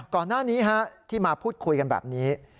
ก่อนหน้านี้ที่มาพูดคุยกันแบบนี้